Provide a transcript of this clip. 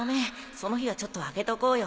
その日はちょっと空けとこうよ。